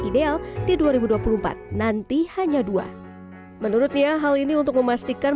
ideal di dua ribu dua puluh empat nanti hanya dua menurutnya hal ini untuk memastikan